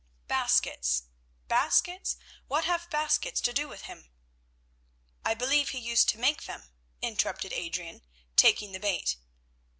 Baskets—baskets? What have baskets to do with him?" "I believe he used to make them," interrupted Adrian, taking the bait.